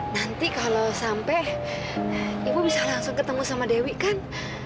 nanti kalau sampai ibu bisa langsung ketemu sama dewi kan